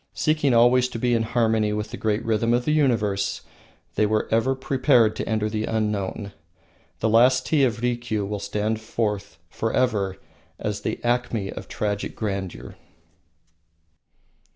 Seeking always to be in harmony with the great rhythm of the universe, they were ever prepared to enter the unknown. The "Last Tea of Rikiu" will stand forth forever as the acme of tragic grandeur.